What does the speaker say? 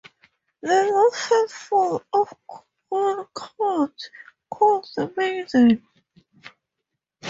The last handful of corn cut is called the Maiden.